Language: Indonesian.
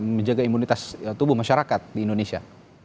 menjaga imunitas tubuh masyarakat di indonesia